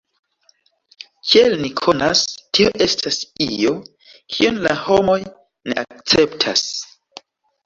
Kiel ni konas, tio estas io, kion la homoj ne akceptas.